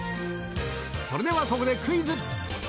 それではここでクイズ。